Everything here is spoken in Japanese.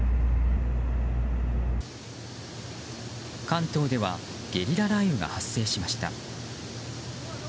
関東ではゲリラ雷雨が発生しました。